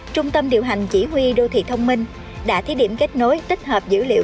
trung tâm điều hành chỉ huy tp thông minh đã thí điểm kết nối tích hợp dữ liệu